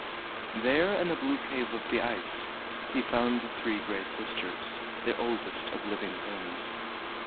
There in a blue cave of the ice he found the Three Gray Sisters, the oldest of living things.